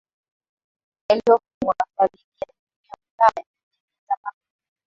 Yaliyofungwa katika ligi za juu za Ulaya na ligi za mabingwa